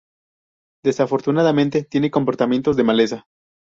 Desafortunadamente, tiene comportamientos de maleza.